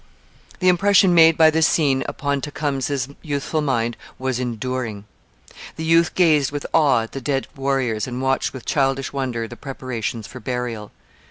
The impression made by this scene upon Tecumseh's youthful mind was enduring. The youth gazed with awe at the dead warriors and watched with childish wonder the preparations for burial.